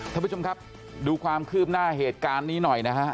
ท่านผู้ชมครับดูความคืบหน้าเหตุการณ์นี้หน่อยนะฮะ